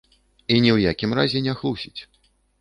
І ні ў якім разе не хлусіць.